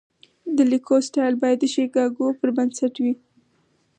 د لیکلو سټایل باید د شیکاګو پر بنسټ وي.